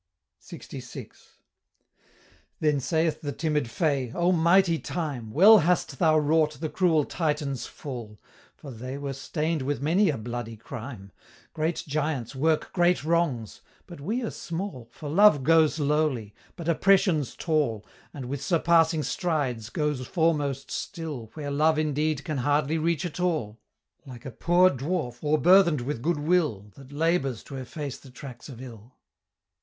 LXVI. Then saith the timid Fay "Oh, mighty Time! Well hast thou wrought the cruel Titans' fall, For they were stain'd with many a bloody crime: Great giants work great wrongs, but we are small, For love goes lowly; but Oppression's tall, And with surpassing strides goes foremost still Where love indeed can hardly reach at all; Like a poor dwarf o'erburthen'd with good will, That labors to efface the tracks of ill.